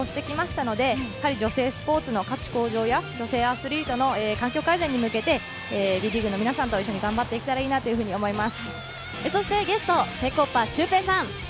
私も７人制ラグビーと陸上をしてきたので、女性スポーツの価値向上や女性アスリートの環境改善に向けてＷＥリーグの皆さんと一緒に頑張っていけたらいいと思っています。